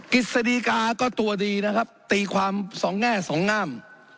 กฤษฎีกาก็ตัวดีนะครับตีความ๒แง่๒งาม